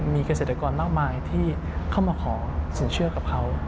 มีเกษตรกรมากมายที่เข้ามาขอสินเชื่อกับเขา